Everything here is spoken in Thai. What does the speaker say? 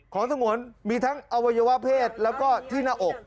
สงวนมีทั้งอวัยวะเพศแล้วก็ที่หน้าอก